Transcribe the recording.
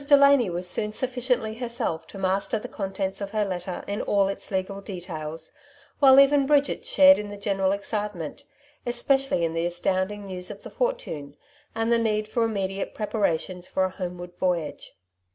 Delany was soon suffi ciently herself to master the contents of her letter in all its legal details, while even Bridget shared in the general excitement, especially in the astounding news of the fortune, and the need for inunediate preparations for a homeward voyage.